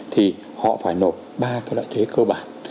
thì họ phải nộp ba loại thuế cơ bản